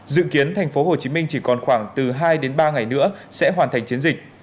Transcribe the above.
dự kiến tp hcm chỉ còn khoảng từ hai đến ba ngày nữa sẽ hoàn thành chiến dịch